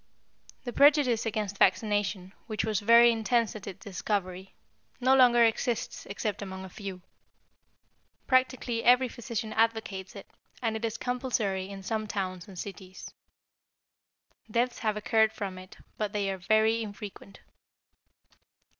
The prejudice against vaccination, which was very intense at its discovery, no longer exists except among a few. Practically every physician advocates it, and it is compulsory in some towns and cities. Deaths have occurred from it, but they are very infrequent.